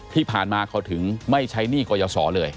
ที่ผ่านมาเขาถึงไม่ใช้หนี้กรยศรเลย